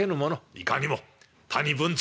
いかにも谷文晁。